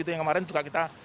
yang kemarin juga kita